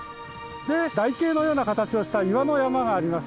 で台形のような形をした岩の山があります。